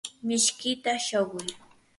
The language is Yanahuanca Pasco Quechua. mishkita shuquy.